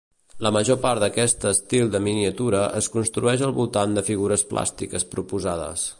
La major part d'aquest estil de miniatura es construeix al voltant de figures plàstiques proposades.